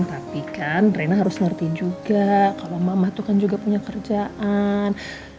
tapi kan drena harus ngerti juga kalau mama tuh kan juga punya kerjaan